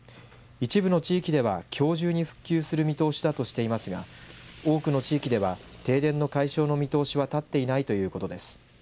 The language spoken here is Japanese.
一部の地域では、きょう中に復旧する見通しだとしていますが多くの地域では停電の解消の見通しは立っていないということです。